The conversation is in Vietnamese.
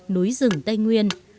núi rừng tây nguyên